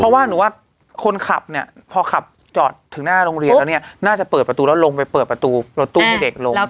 มีความคิดว่าคนขับพอจอดถึงหน้าโรงเรียนแล้วน่าจะลงไปเปิดประตูรถตู้ให้เด็กลง